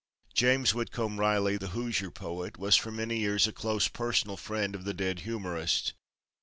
James Whitcomb Riley, the Hoosier poet, was for many years a close personal friend of the dead humorist.